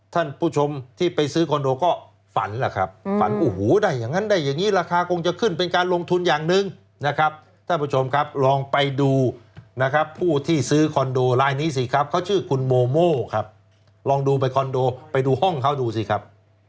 ท่านผู้ชมที่ไปซื้อคอนโดก็ฝันแหละครับฝันโอ้โหได้อย่างนั้นได้อย่างนี้ราคาคงจะขึ้นเป็นการลงทุนอย่างหนึ่งนะครับท่านผู้ชมครับลองไปดูนะครับผู้ที่ซื้อคอนโดลายนี้สิครับเขาชื่อคุณโมโม่ครับลองดูไปคอนโดไปดูห้องเขาดูสิครับ